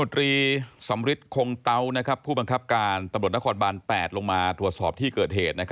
ตรีสำริทคงเตาผู้บังคับการตำรวจนครบาน๘ลงมาตรวจสอบที่เกิดเหตุ